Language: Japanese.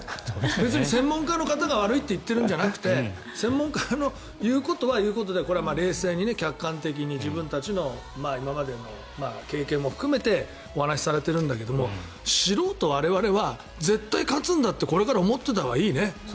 別に専門家の方が悪いと言ってるんじゃなくて専門家が言うことは言うことで冷静に客観的に自分たちの今までの経験も含めてお話しされているんだけど素人、我々は絶対勝つんだって、これから思っていたほうがいいね。